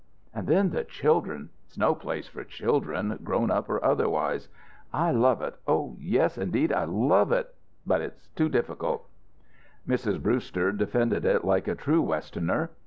And then the children it's no place for children, grown up or otherwise. I love it oh, yes indeed. I love it. But it's too difficult." Mrs. Brewster defended it like a true Westerner.